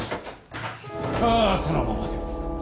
ああそのままで。